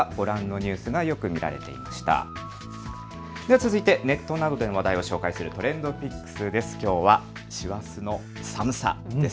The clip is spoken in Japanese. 続いてネットなどでの話題を紹介するＴｒｅｎｄＰｉｃｋｓです。